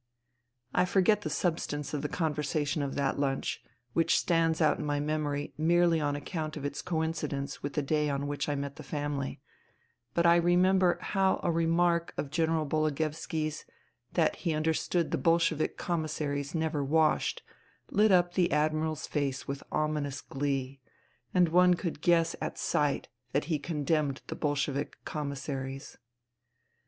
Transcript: I forget the substance of the conversation of that lunch, which stands out in my memory merely on account of its coincidence with the day on which I met the family ; but I remember how a remark of General Bologoevski' s, that he understood the Bolshevik commissaries never washed, lit up the Admiral's face with ominous glee, and one could guess at sight that he condemned the Bolshevik commissaries.